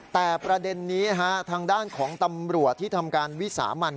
แต่ประเด็นนี้ทางด้านของตำรวจที่ทำการวิสามัน